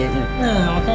nah oke ya dadah